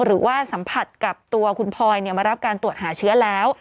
หรือว่าสัมผัสกับตัวคุณพลอยมารับการตรวจหาเชื้อแล้ว